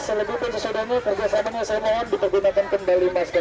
selevuk kezusahannya korba sama nyesel mohon dipergunakan kembali masker